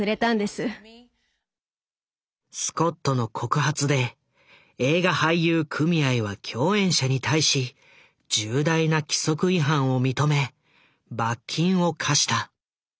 スコットの告発で映画俳優組合は共演者に対し重大な規則違反を認め罰金を科した。